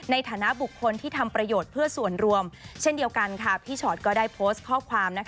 ในฐานะบุคคลที่ทำประโยชน์เพื่อส่วนรวมเช่นเดียวกันพี่ชอตก็ได้โพสต์ข้อความ